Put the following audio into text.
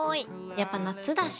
やっぱ夏だし。